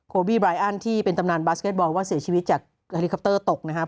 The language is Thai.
บีบรายอันที่เป็นตำนานบาสเก็ตบอลว่าเสียชีวิตจากเฮลิคอปเตอร์ตกนะครับ